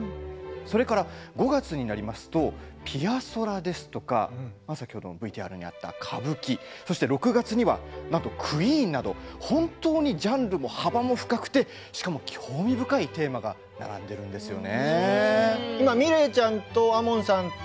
それから５月になりますとピアソラですとか先ほどのＶＴＲもあった歌舞伎、６月には、なんとクイーンなど本当にジャンルも幅も深くて興味深いテーマが並んでるんですよね。